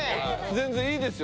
全然いいですよ